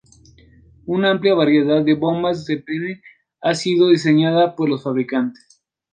Una amplia variedad de bombas de pene ha sido diseñada por los fabricantes.